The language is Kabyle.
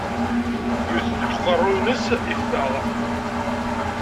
Yewwet deg uqerru-ines yeffeɣ-d.